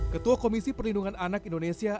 ketua komisi perlindungan anak indonesia